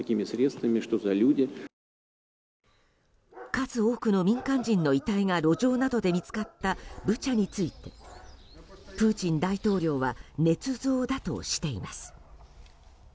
数多くの民間人の遺体が路上などで見つかったブチャについてプーチン大統領はねつ造だとしています。